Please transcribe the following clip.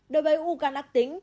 đối với u gan ác tính